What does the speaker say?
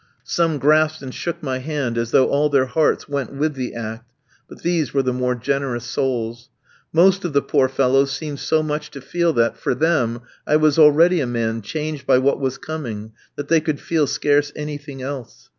Some grasped and shook my hand as though all their hearts went with the act; but these were the more generous souls. Most of the poor fellows seemed so much to feel that, for them, I was already a man changed by what was coming, that they could feel scarce anything else.